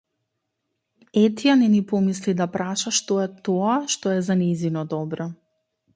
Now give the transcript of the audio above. Етја не ни помисли да праша што е тоа што е за нејзино добро.